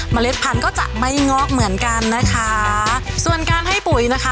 เล็ดพันธุ์ก็จะไม่งอกเหมือนกันนะคะส่วนการให้ปุ๋ยนะคะ